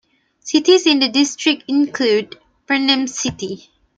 Cities in the district include: Pernem City.